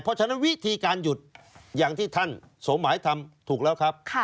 เพราะฉะนั้นวิธีการหยุดอย่างที่ท่านสมหมายทำถูกแล้วครับ